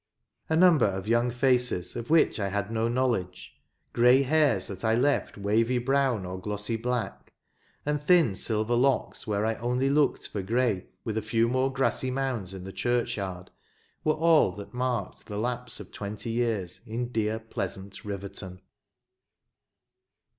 A number of young faces of which I had no knowledge, grey hairs that I left wavy brown or glossy black, and thin silver locks where I only looked for grey, with a few more grassy mounds in the churchyard, were all that marked the lapse of twenty years in dear, pleasant Riverton.